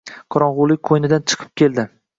Qorong‘ulik qo‘ynidan chiqib keldi.